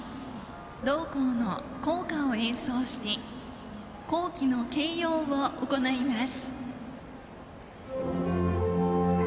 同校の校歌を演奏して校旗の掲揚を行います。